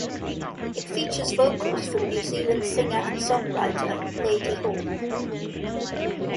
It features vocals from New Zealand singer and songwriter Ladyhawke.